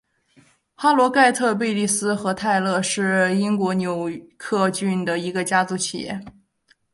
哈罗盖特贝蒂斯和泰勒是英国约克郡的一个家族企业。